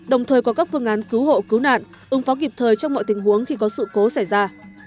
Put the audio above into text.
đồng thời có các phương án cứu hộ cứu nạn ứng phó kịp thời trong mọi tình huống khi có sự cố xảy ra